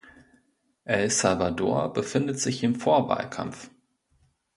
El Salvador befindet sich im Vorwahlkampf.